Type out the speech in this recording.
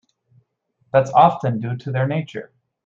That's often due to their nature.